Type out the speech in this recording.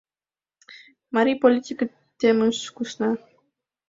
Марий политике темыш кусна.